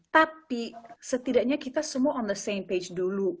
tapi setidaknya kita semua di sampingan dulu